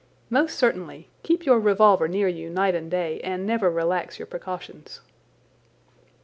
"Most certainly. Keep your revolver near you night and day, and never relax your precautions."